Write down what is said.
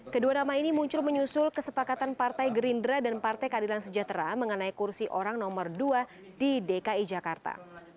kedua nama ini muncul menyusul kesepakatan partai gerindra dan partai keadilan sejahtera mengenai kursi orang nomor dua di dki jakarta